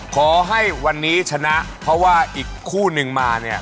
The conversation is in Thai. ขอให้วันนี้ชนะเพราะว่าอีกคู่นึงมาเนี่ย